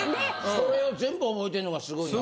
それを全部覚えてんのがすごいな。